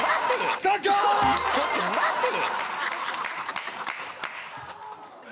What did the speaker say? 「ちょっと待てぃ‼」